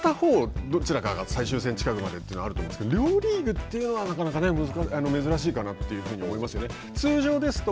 片方、どちらかが最終戦近くまでというのはあると思うんですけど両リーグというのはなかなか珍しいかなと思いますよね。